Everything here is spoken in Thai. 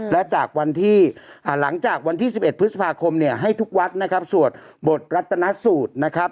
แล้วหลังจากวันที่๑๑พฤษภาคมให้ทุกวัดสวดบทรัตนสูตรนะครับ